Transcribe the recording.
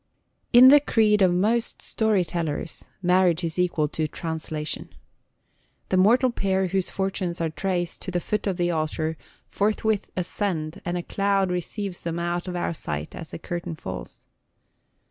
IN the creed of most story tellers marriage is equal to translation. The mortal pair whose fortunes are traced to the foot of the altar forthwith ascend, and a cloud receives them out of our sight as the curtain falls.